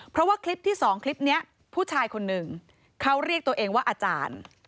เพราะว่าคลิปที่สองคลิปนี้ผู้ชายคนหนึ่งเขาเรียกตัวเองว่าอาจารย์